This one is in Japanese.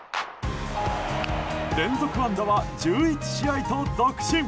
連続安打は１１試合と続伸。